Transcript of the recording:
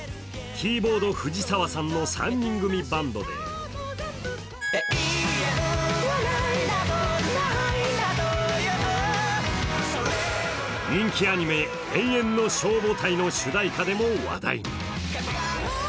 キーボード・藤澤さんの３人組バンドで人気アニメ「炎炎ノ消防隊」の主題歌でも話題に。